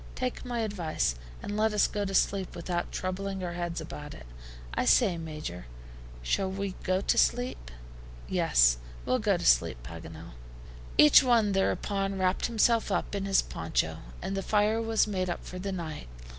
Take my advice, and let us go to sleep without troubling our heads about it. I say, Major, shall we go to sleep?" "Yes, we'll go to sleep, Paganel." Each one, thereupon, wrapped himself up in his poncho, and the fire was made up for the night.